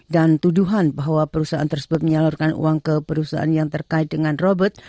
dan tuduhan bahwa perusahaan tersebut menyalurkan uang ke perusahaan yang terkait dengan robert